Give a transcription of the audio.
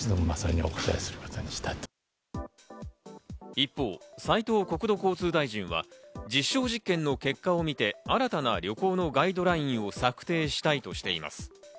一方、斉藤国土交通大臣は実証実験の結果を見て新たな旅行のガイドラインを策定したいとしています。